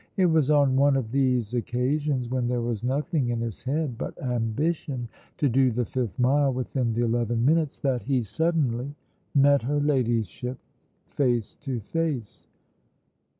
It was on one of these occasions, when there was nothing in his head but ambition to do the fifth mile within the eleven minutes, that he suddenly met her Ladyship face to face.